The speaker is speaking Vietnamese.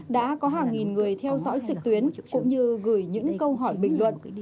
đã có hàng nghìn người theo dõi trực tuyến cũng như gửi những câu hỏi bình luận